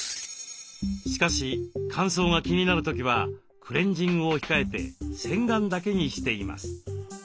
しかし乾燥が気になる時はクレンジングを控えて洗顔だけにしています。